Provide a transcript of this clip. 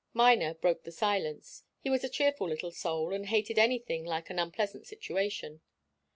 Miner broke the silence. He was a cheerful little soul, and hated anything like an unpleasant situation.